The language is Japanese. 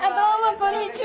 こんにちは。